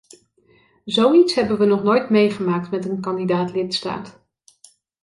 Zoiets hebben wij nog nooit meegemaakt met een kandidaat-lidstaat.